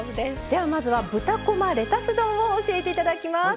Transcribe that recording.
ではまずは豚こまレタス丼を教えていただきます。